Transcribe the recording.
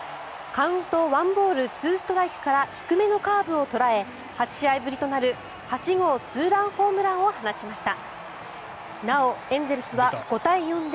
カウント１ボール２ストライクから低めのカーブを捉え８試合ぶりとなる８号ツーランホームランを放ちました。